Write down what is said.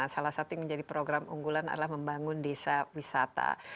salah satu yang menjadi program unggulan adalah membangun desa wisata